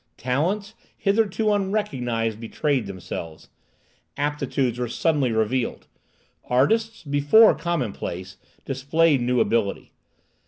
Talents, hitherto unrecognized, betrayed themselves. Aptitudes were suddenly revealed. Artists, before common place, displayed new ability.